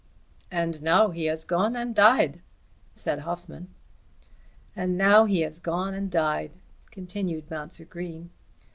"And now he has gone and died!" said Hoffmann. "And now he has gone and died," continued Mounser Green.